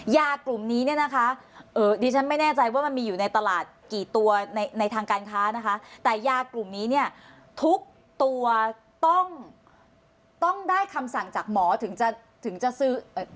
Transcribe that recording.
ยากลุ่มนี้ดิฉันไม่แน่ใจว่ามันมีอยู่ในตลาดกี่ตัวในทางการค้าแต่ยากลุ่มนี้ทุกตัวต้องได้คำสั่งจากหมอถึงจะซื้อ